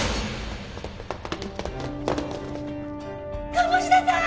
鴨志田さん！